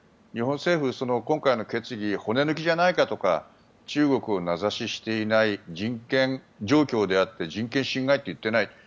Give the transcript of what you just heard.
日本政府、今回の決議骨抜きじゃないかとか中国を名指ししていない人権状況であって人権侵害と言っていない